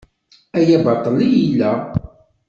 Aya baṭel i yella?